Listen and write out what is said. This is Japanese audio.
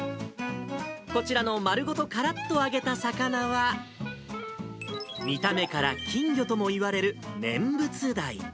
こちらの丸ごとからっと揚げた魚は、見た目からキンギョともいわれるネンブツダイ。